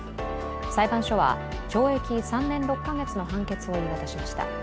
裁判所は懲役３年６か月の判決を言い渡しました。